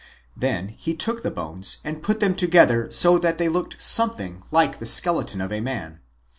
Then he took the bones and put them together so that they looked something like the skeleton of a man.